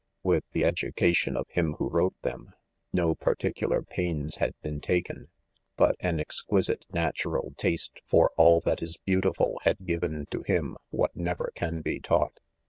With the education of him who wrote them, no particular pains had been taken,, but an exquisite natural taste for all that is beau tiful, had given to him what never can be 104 ■IDOMEN. taught.